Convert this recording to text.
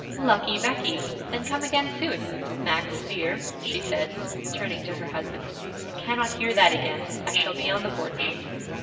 'Lucky Becky! Then come again soon. Max, dear,' she said, turning to her husband, 'I cannot hear that again. I shall be on the porch.'